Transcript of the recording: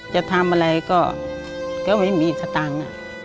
จะทำอะไรก็ไม่มีสตังค์